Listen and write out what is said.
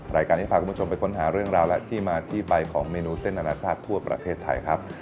รายการนี้พาคุณผู้ชมไปค้นหาเรื่องราวและที่มาที่ไปของเมนูเส้นอนาชาติทั่วประเทศไทยครับ